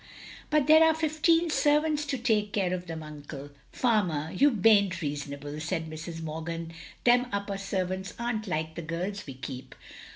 "But there are fifteen servants to take care of them, Uncle. " "Farmer! you baint reasonable," said Mrs. Morgan. "Them upper servants aren't like the girls we keep.